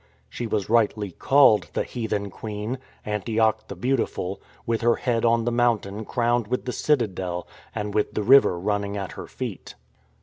She was rightly called " the Heathen Queen "— Antioch the Beautiful — with her head on the mountain crowned with the citadel and with the river running at her feet.